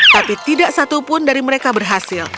tapi tidak satu pun dari mereka berhasil